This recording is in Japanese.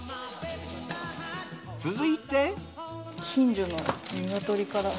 続いて。